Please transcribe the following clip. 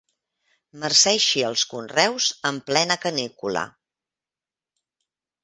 Marceixi els conreus en plena canícula.